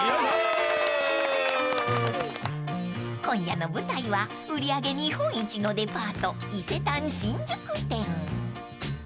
［今夜の舞台は売り上げ日本一のデパート］